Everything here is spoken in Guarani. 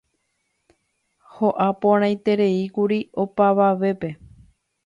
Ho'aporãitereíkuri opavavépe.